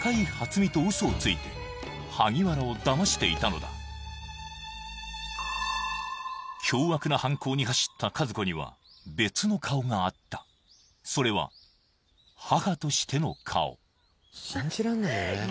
美と嘘をついて萩原をだましていたのだ凶悪な犯行に走った和子には別の顔があったそれは母としての顔和子にとってその日の夕方